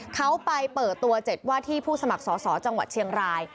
เขาไปเปิดตัว๗ว่าที่ผู้สมัครสอสอจังหวัดเชียงราย